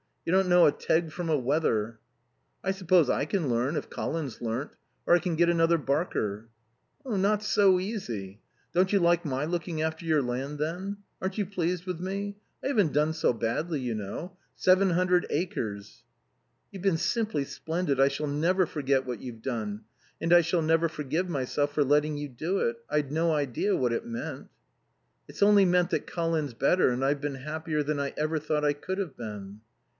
You don't know a teg from a wether." "I suppose I can learn if Colin's learnt. Or I can get another Barker." "Not so easy. Don't you like my looking after your land, then? Aren't you pleased with me? I haven't done so badly, you know. Seven hundred acres." "You've been simply splendid. I shall never forget what you've done. And I shall never forgive myself for letting you do it. I'd no idea what it meant." "It's only meant that Colin's better and I've been happier than I ever thought I could have been."